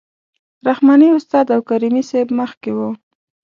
رحماني استاد او کریمي صیب مخکې وو.